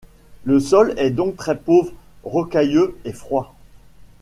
Ce sol est donc très pauvre, rocailleux et froid.